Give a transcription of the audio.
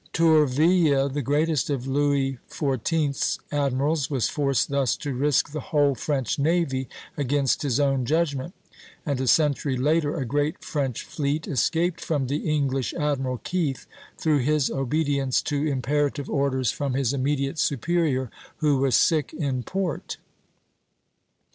Tourville, the greatest of Louis XIV.'s admirals, was forced thus to risk the whole French navy against his own judgment; and a century later a great French fleet escaped from the English admiral Keith, through his obedience to imperative orders from his immediate superior, who was sick in port.